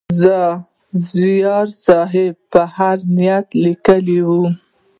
زیار صېب په هر نیت لیکلی وي.